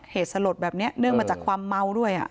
สลดแบบนี้เนื่องมาจากความเมาด้วย